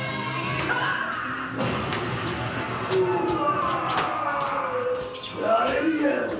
うわ！